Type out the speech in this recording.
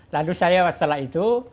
lalu saya setelah itu